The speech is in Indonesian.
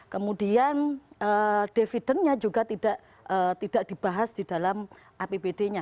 kemudian dividennya juga tidak dibahas di dalam apbd nya